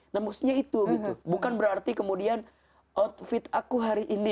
nah maksudnya itu gitu bukan berarti kemudian outfit aku hari ini